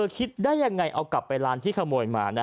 คิดได้ยังไงเอากลับไปร้านที่ขโมยมา